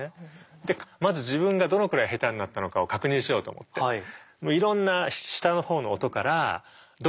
でまず自分がどのくらい下手になったのかを確認しようと思っていろんな下のほうの音からどこまでね出せるのかみたいなの。